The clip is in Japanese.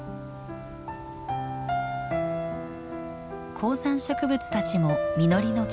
高山植物たちも実りの季節。